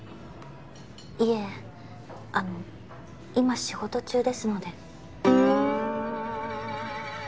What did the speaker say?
いえあの今仕事中ですので。